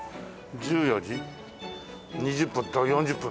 １４時２０分と４０分。